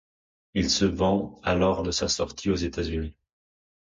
Il se vend à lors de sa sortie aux États-Unis.